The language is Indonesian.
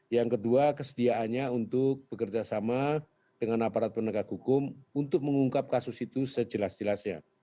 yang kedua kesediaannya untuk bekerjasama dengan aparat penegak hukum untuk mengungkap kasus itu sejelas jelasnya